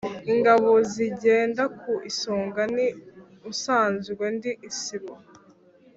Ingabo nzigenda ku isonga, ni usanzwe ndi isibo